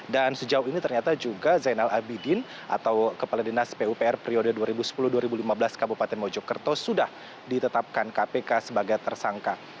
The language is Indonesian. dan sejauh ini ternyata juga zainal abidin atau kepala dinas pupr periode dua ribu sepuluh dua ribu lima belas kabupaten mojokerto sudah ditetapkan kpk sebagai tersangka